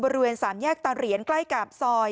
บริเวณสามแยกตาเหรียญใกล้กับซอย